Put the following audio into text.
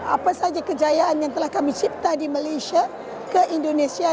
apa saja kejayaan yang telah kami cipta di malaysia ke indonesia